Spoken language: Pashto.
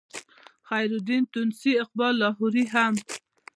خیرالدین تونسي اقبال لاهوري هم